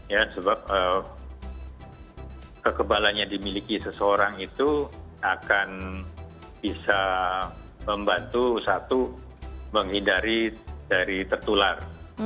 ya sebab kekebalan yang dimiliki seseorang itu akan bisa membantu satu menghindari dari tertular